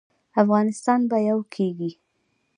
افغانستان به یو کیږي؟